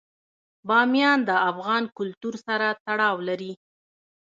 بامیان د افغان کلتور سره تړاو لري.